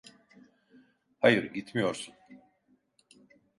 Hayır, gitmiyorsun.